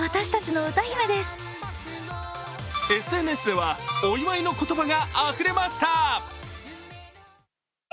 ＳＮＳでは、お祝いの言葉があふれました。